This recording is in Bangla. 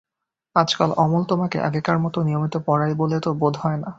আজকাল অমল তোমাকে আগেকার মতো নিয়মিত পড়ায় বলে তো বোধ হয় না।